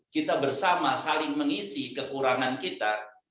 kita bersama saling mengisi kekurangan kita